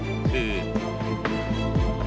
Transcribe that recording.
ดวงคู่ที่เหมาะสมกับเขามากที่สุด